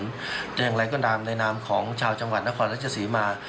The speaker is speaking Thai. แต่อย่างไรก็ตามในนามของชาวจังหวัดนครราชศรีมา